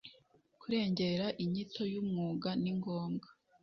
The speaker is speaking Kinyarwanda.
kurengera inyito y umwuga ningombwa